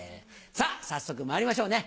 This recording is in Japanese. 早速まいりましょうね